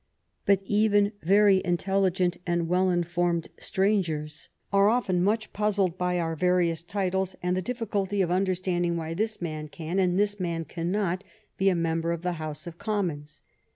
But even very intelligent and well informed strangers are often much puzzled by our various titles and the difficulty of understanding why this man can and this man cannot be a mem ber of the House of Commons.